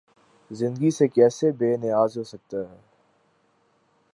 زندگی سے کیسے بے نیاز ہو سکتا ہے؟